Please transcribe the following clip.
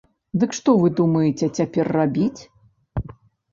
Дык што вы думаеце цяпер рабіць?